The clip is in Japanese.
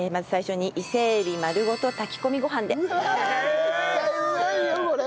絶対うまいよこれ。